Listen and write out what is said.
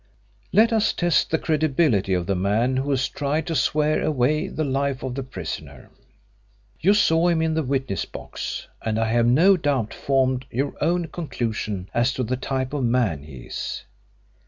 "Let us test the credibility of the man who has tried to swear away the life of the prisoner. You saw him in the witness box, and I have no doubt formed your own conclusions as to the type of man he is.